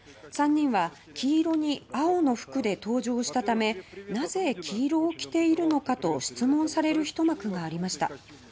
３人は黄色に青の服で登場したため「なぜ黄色を着ているのか」と質問される一幕がありました。